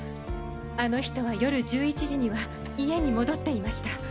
あの人は夜１１時には家に戻っていました。